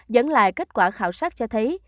dẫn lại kết quả khảo sát cho thấy